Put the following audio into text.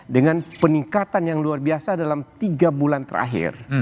dengan peningkatan yang luar biasa dalam tiga bulan terakhir